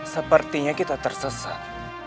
sepertinya kita tersesat